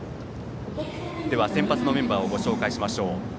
先発のメンバーをご紹介しましょう。